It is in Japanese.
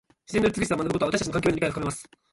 自然の美しさを学ぶことは、私たちの環境への理解を深めます。